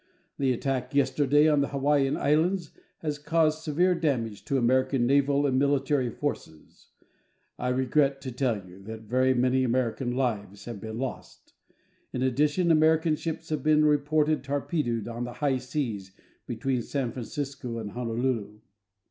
The attack yesterday on the Hawaiian islands has caused severe damage to American naval and military forces. I regret to tell you that very many American lives have been lost. In addition, American ships have been reported torpedoed on the high seas between San Francisco and Honolulu.